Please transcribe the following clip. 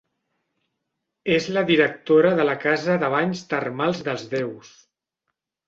És la directora de la casa de banys termals dels déus.